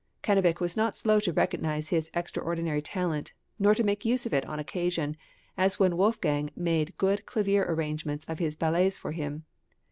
Cannabich was not slow to recognise his extraordinary talent, nor to make use of it on occasion, as when Wolfgang made good clavier arrangements of his ballets for him.